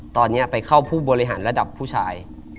ตอนนี้ไปเข้าผู้บริหารระดับผู้ชาย